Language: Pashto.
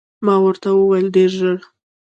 ما وویل، ډېر ژر.